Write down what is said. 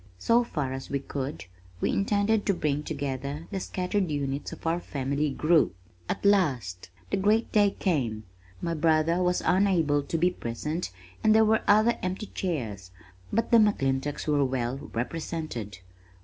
So far as we could, we intended to bring together the scattered units of our family group. At last the great day came! My brother was unable to be present and there were other empty chairs, but the McClintocks were well represented.